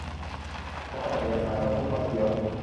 เขาปั่นจักรยานผ่านถนนที่คดเคี้ยว